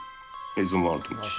映像もあるし。